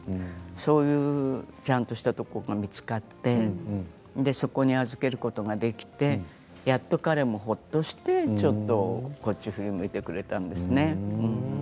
そういうちゃんとしたところが見つかってそこに預けることができてやっと彼もほっとしてちょっとこっち